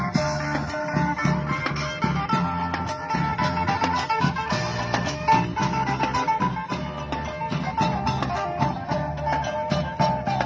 สวัสดีครับทุกคน